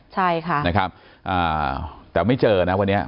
ใช่ค่ะนะครับแต่ไม่เจอนะวันนี้